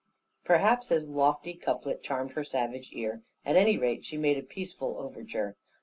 Perhaps his lofty couplet charmed her savage ear; at any rate she made a peaceful overture.